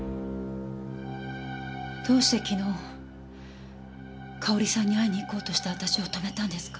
どうして昨日佳保里さんに会いに行こうとした私を止めたんですか？